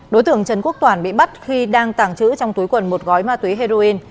đối tượng trần quốc toàn bị bắt khi đang tàng trữ trong túi quần một gói ma túy heroin